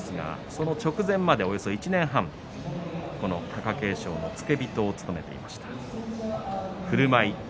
その直前まで、およそ１年半この貴景勝の付け人を務めていた王鵬です。